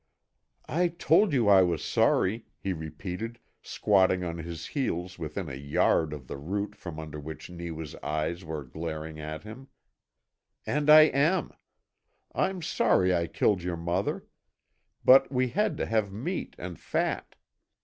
"I told you I was sorry," he repeated, squatting on his heels within a yard of the root from under which Neewa's eyes were glaring at him, "and I am. I'm sorry I killed your mother. But we had to have meat and fat.